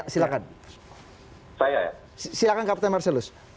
silahkan kapten marcelus